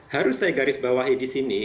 harus saya garis bawahi di sini